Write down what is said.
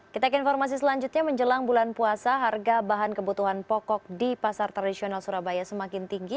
kita ke informasi selanjutnya menjelang bulan puasa harga bahan kebutuhan pokok di pasar tradisional surabaya semakin tinggi